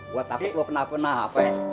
gua takut lo penah penah apa ya